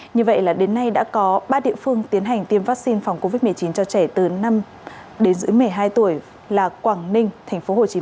như vậy đến nay đã có ba địa phương tiến hành tiêm vắc xin phòng covid một mươi chín cho trẻ từ năm đến một mươi hai tuổi là quảng ninh tp hcm và hà nội